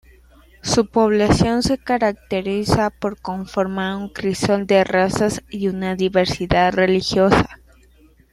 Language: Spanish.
Su población se caracteriza por conformar un crisol de razas y una diversidad religiosa.